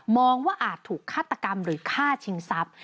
มองว่าอาจถูกฆาตกรรมหรือฆ่าชิงทรัพย์